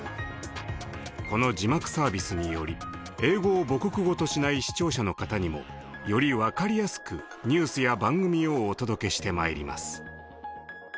この字幕サービスにより英語を母国語としない視聴者の方にもより分かりやすくニュースや番組をお届けしてまいります。